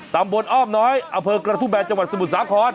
ตำบลอ้อมน้อยอเผลกระทุแบนจังหวัดสมุทรสาขอน